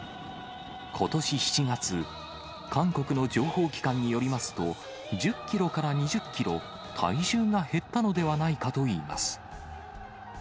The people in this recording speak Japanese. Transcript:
ことし７月、韓国の情報機関によりますと、１０キロから２０キロ、体重が減ったのではないかといいます。